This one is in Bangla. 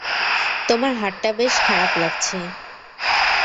তোমার হাতটা বেশ খারাপ লাগছে।